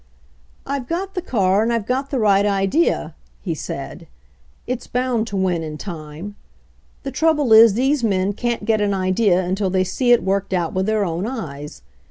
"I've got the car and I've got the right idea," he said. "It's bound to win in time. The trouble is these men can't get an idea until they see it worked out with their own eyes.